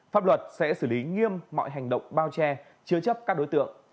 pháp luật sẽ xử lý nghiêm mọi hành động bao che chứa chấp các đối tượng